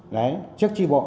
đấy trước tri bộ